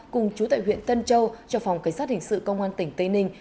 cùng chú tại huyện tân châu cho phòng cảnh sát hình sự công an tỉnh tây ninh